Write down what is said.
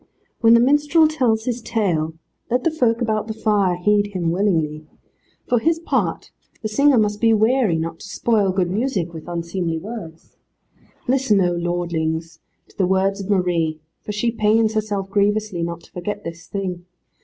When the minstrel tells his tale, let the folk about the fire heed him willingly. For his part the singer must be wary not to spoil good music with unseemly words. Listen, oh lordlings, to the words of Marie, for she pains herself grievously not to forget this thing.